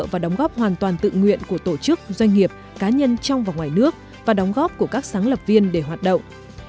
và đóng góp hoàn toàn tự nguyện của tổ chức doanh nghiệp cá nhân trong và ngoài nước và đóng góp của các sáng lập viên để hoạt động